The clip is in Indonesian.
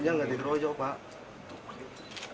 ini tidak diteroyok pak